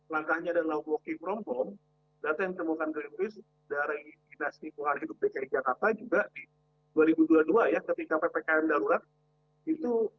jangan kan bicara work from home itu gak ada yang merang keluar pada saat itu